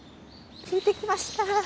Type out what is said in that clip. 引いてきました。